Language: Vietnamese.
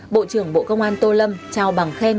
bộ trưởng bộ công an tô lâm trao bằng khen